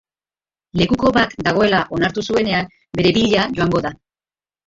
Lekuko bat dagoela ohartu zuenean, bere bila joango da.